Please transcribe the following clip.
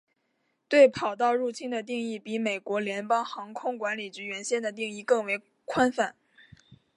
对跑道入侵的定义比美国联邦航空管理局原先的定义更为宽泛。